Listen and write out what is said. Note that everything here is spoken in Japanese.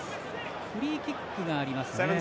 フリーキックがありますね。